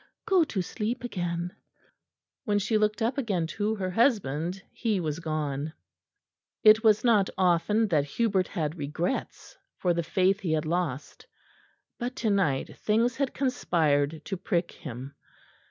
Go to sleep again." When she looked up again to her husband, he was gone. It was not often that Hubert had regrets for the Faith he had lost; but to night things had conspired to prick him.